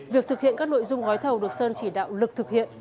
việc thực hiện các nội dung gói thầu được sơn chỉ đạo lực thực hiện